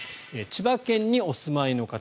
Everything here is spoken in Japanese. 千葉県にお住まいの方。